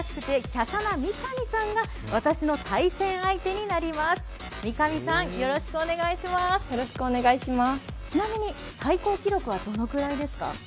ちなみにちなみに最高記録はどのぐらいですか？